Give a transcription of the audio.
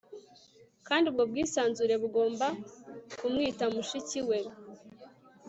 kandi ubwo bwisanzure bugomba kumwita mushiki we